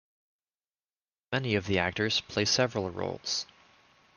Many of the actors play several roles.